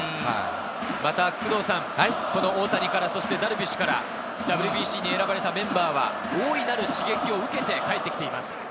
また、大谷からダルビッシュから、ＷＢＣに選ばれたメンバーは大いなる刺激を受けて帰ってきています。